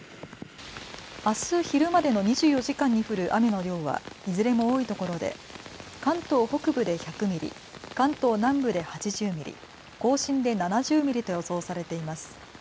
あす昼までの２４時間に降る雨の量はいずれも多いところで関東北部で１００ミリ、関東南部で８０ミリ、甲信で７０ミリと予想されています。